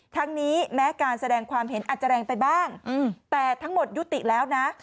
ทั้งนี้แม้การแสดงความเห็นอาจจะแรงไปบ้างแต่ทั้งหมดยุติแล้วนะ